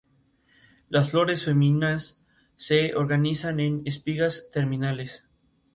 Las flores femeninas se organizan en espigas terminales.